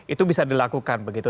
itu bisa dilakukan begitu